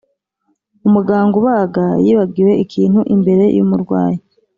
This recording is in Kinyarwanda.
umuganga ubaga yibagiwe ikintu imbere yumurwayi.